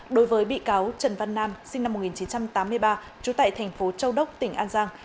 đối với bị cáo trần văn nam sinh năm một nghìn chín trăm tám mươi ba trú tại thành phố châu đốc tỉnh an giang